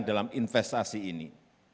dalam investasi ini